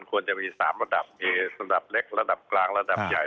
ควรจะมี๓ระดับมีระดับเล็กระดับกลางระดับใหญ่